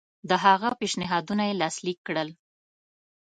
د هغه پېشنهادونه یې لاسلیک کړل.